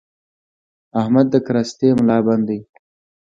احمد د کراستې ملابند دی؛